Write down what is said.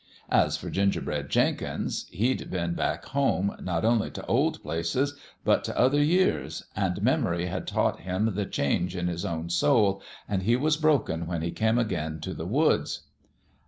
As for Gingerbread Jenkins, he'd been back home, not only t' old places, but t' other years ; an' memory had taught him the change in his own soul, an' he was broken when he come again t' the woods.